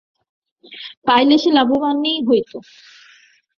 পাইলে সে লাভবানই হইত।